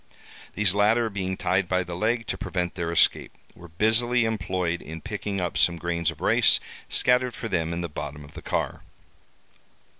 These latter being tied by the leg, to prevent their escape, were busily employed in picking up some grains of rice scattered for them in the bottom of the car.